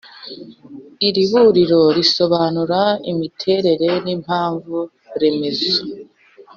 iriburiro risobanura imiterere n'impamvu remezo